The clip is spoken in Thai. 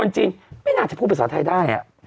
จริงไม่น่าจะพูดภาษาไทยได้